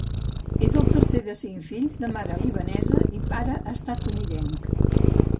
És el tercer de cinc fills de mare libanesa i pare estatunidenc.